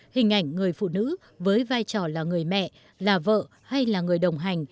hình ảnh người phụ nữ với vai trò là người mẹ là vợ hay là người đồng hành